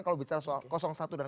kalau bicara soal satu dan dua